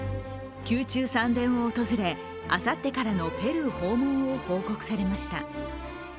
宮中三殿を訪れあさってからのペルー訪問を報告されました。